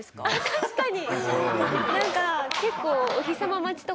確かに！